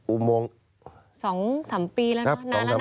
อุโมงนี้กี่ปีแล้วนะคะ